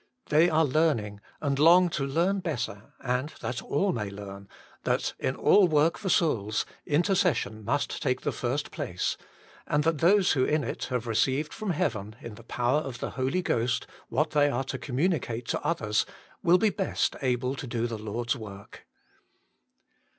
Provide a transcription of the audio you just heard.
They are learning, and long to learn better, and that all may learn, that in all work for souls intercession must take the first place, and that those who in it have received from heaven, in the power of the Holy Ghost, what they are to com GOD SEEKS INTERCESSORS 175 municate to others, will be best able to do the Lord s work.